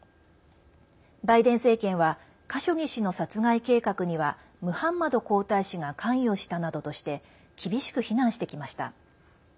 バイデン政権はカショギ氏の殺害計画にはムハンマド皇太子が関与したなどとして厳しく非難してきました。